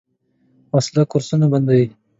وسله کورسونه بندوي